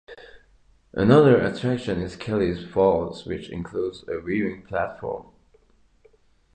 Another attraction is Kelly's Falls, which includes a viewing platform.